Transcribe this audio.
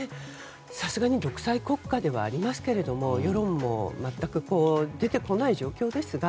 さすがに独裁国家ではありますけど世論も全く出てこない状況ですが。